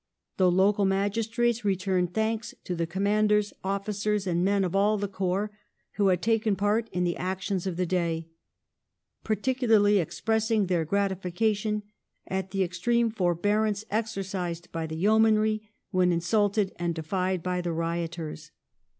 The local magistrates returned thanks "to the Com manders, Officers and men of all the Corps who had taken part in the actions of the day," particularly expressing their gratification "at the extreme forbearance exercised by the Yeomanry when insulted and defied by the rioters